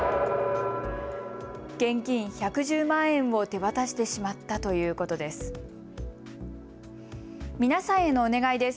現金１１０万円を手渡してしまったということです。